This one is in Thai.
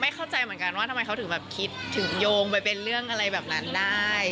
เข้าใจเหมือนกันว่าทำไมเขาถึงแบบคิดถึงโยงไปเป็นเรื่องอะไรแบบนั้นได้